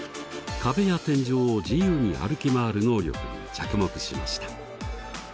壁や天井を自由に歩き回る能力に着目しました。